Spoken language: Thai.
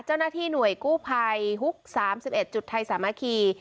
เจ้าหน้าที่หน่วยกู้ภัยฮุกสามสิบเอ็ดจุดไทยสามาคี